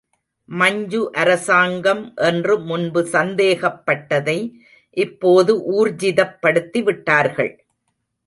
மஞ்சு அரசாங்கம் என்று முன்பு சந்தேகப்பட்டதை இப்போது ஊர்ஜிதப்படுத்தி விட்டார்கள்.